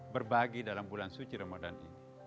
berbagi dalam bulan suci ramadan ini